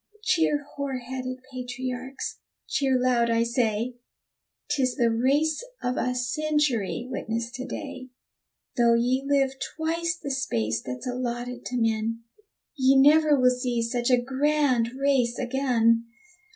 Cheer, hoar headed patriarchs; cheer loud, I say. 'Tis the race of a century witnessed to day! Though ye live twice the space that's allotted to men, Ye never will see such a grand race again.